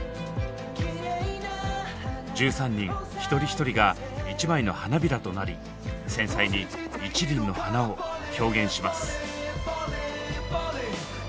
１３人一人一人が一枚の花びらとなり繊細に１輪の花を表現します。